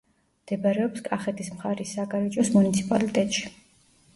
მდებარეობს კახეთის მხარის საგარეჯოს მუნიციპალიტეტში.